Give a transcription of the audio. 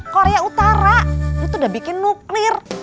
korea utara itu udah bikin nuklir